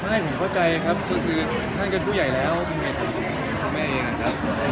ไม่พบกับใจครับคือท่านก็ผู้ใหญ่แล้วงั้นยังไงทำให้คุณแม่เองครับ